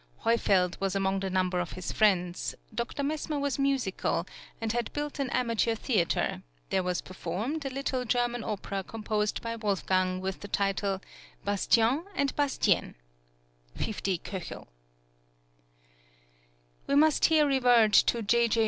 Heufeld was among the number of his friends. Dr. Messmer was musical, and had built an amateur theatre; here was performed, a little German opera composed by Wolfgang, with the title "Bastien und Bastienne" (50 K.). We must here revert to J. J.